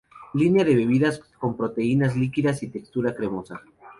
Línea de bebidas con proteínas líquidas y textura cremosa.